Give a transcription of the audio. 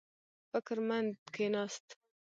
فکر مند کېناست.